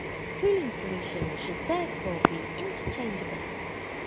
Cooling solutions should therefore be interchangeable.